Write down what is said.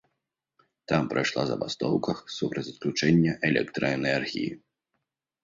Там прайшла забастоўках супраць адключэння электраэнергіі.